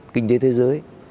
kinh tế thế giới